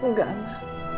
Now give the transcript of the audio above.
ya udah tembak dia